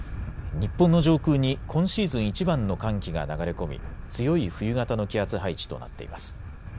日本の上空に今シーズン一番の寒気が流れ込み強い冬型の気圧配置となっています。